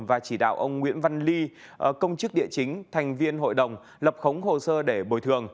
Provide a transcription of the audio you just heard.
và chỉ đạo ông nguyễn văn ly công chức địa chính thành viên hội đồng lập khống hồ sơ để bồi thường